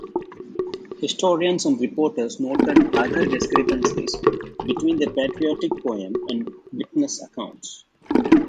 Historians and reporters noted other discrepancies between the patriotic poem and witness accounts.